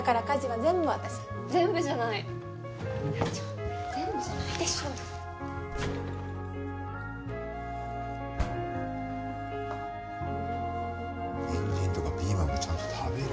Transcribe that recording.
にんじんとかピーマンもちゃんと食べろよ。